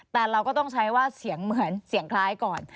แต่เราก็ต้องใช้ว่าเสียงเหมือนเสียงคล้ายก่อน